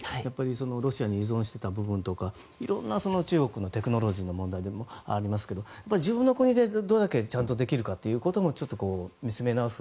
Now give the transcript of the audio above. ロシアに依存していた部分とかいろんな、中国のテクノロジーの問題もありますが自分の国でどれだけできるかということも見つめ直す